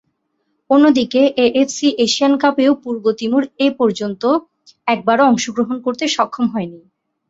অন্যদিকে, AFC Asian কাপেও পূর্ব তিমুর এপর্যন্ত একবারও অংশগ্রহণ করতে সক্ষম হয়নি।